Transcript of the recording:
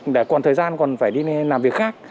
để còn thời gian còn phải đi làm việc khác